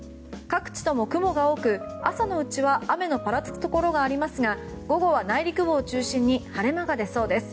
各地とも雲が多く朝のうちは雨のぱらつくところがありますが午後は内陸部を中心に晴れ間が出そうです。